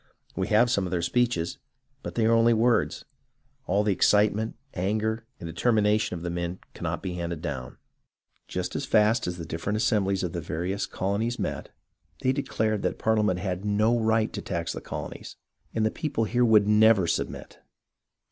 We have some of their speeches, but they are only words. All the excite ment, anger, and determination of the men cannot be handed down. Just as fast as the different assembhes of the various colonies met, they declared that Parliament had no right to tax the colonies and the people here never would sub mit.